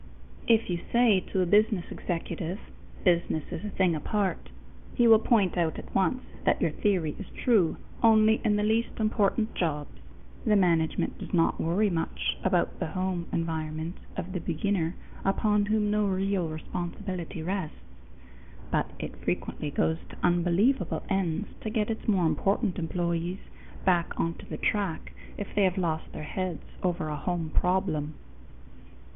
If you say to a business executive, "Business is a thing apart," he will point out at once that your theory is true only in the least important jobs. The management does not worry much about the home environment of the beginner upon whom no real responsibility rests, but it frequently goes to unbelievable ends to get its more important employees back onto the track if they have lost their heads over a home problem.